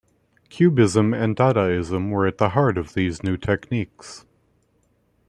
Cubism and Dadaism were at the heart of these new techniques.